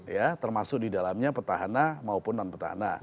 ya termasuk di dalamnya petahana maupun non petahana